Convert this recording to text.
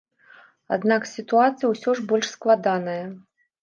Аднак сітуацыя ўсё ж больш складаная.